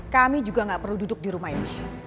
kami juga nggak perlu duduk di rumah ini